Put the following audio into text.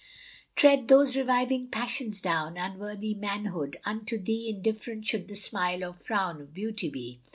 Tread those reviving passions down, Unworthy manhood! unto thee Indifferent should the smile or frown Of beauty be.